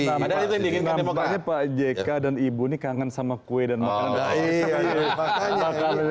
nampaknya pak jk dan ibu ini kangen sama kue dan makanan